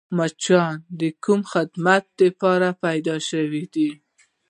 مچان د کوم خدمت دپاره پیدا شوي دي؟